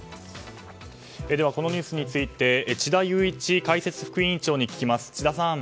このニュースについて智田裕一解説副委員長に聞きます。